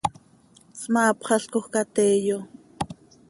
Smaapxalcoj ca teeyo.